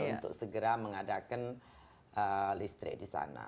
untuk segera mengadakan listrik di sana